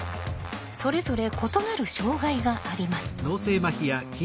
それぞれ異なる障害があります。